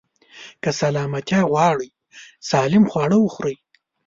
که سلامتيا غواړئ، سالم خواړه وخورئ.